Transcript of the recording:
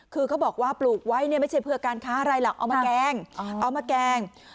คือเขาบอกว่าปลูกไว้ไม่ใช่เพื่อการฆ่าอะไรล่ะเอามาแกล้ง